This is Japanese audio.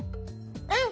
うん！